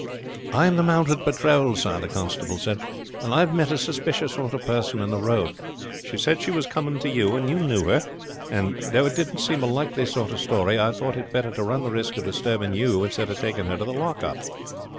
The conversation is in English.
"I am the mounted patrol, sir," the constable said, "and I have met a suspicious sort of person in the road. She said she was coming to you, and you knew her; and though it didn't seem a likely sort of story, I thought it better to run the risk of disturbing you instead of taking her to the lockup."